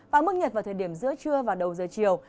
và mức nhiệt vào thời điểm giữa trưa và đầu giờ chiều